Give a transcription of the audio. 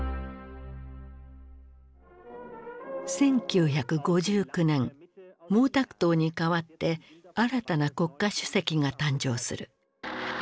１９５９年毛沢東に代わって新たな国家主席が誕生する。